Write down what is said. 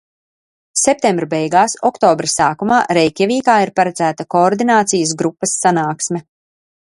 Septembra beigās, oktobra sākumā Reikjavīkā ir paredzēta koordinācijas grupas sanāksme.